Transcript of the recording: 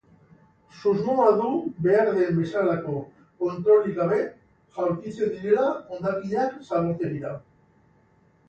Susmoa du behar den bezalako kontrolik gabe jaurtitzen direla hondakinak zabortegira.